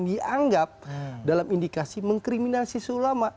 dianggap dalam indikasi mengkriminalisasi ulama